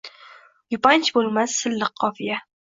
Yupanch boʼlmas silliq qofiya.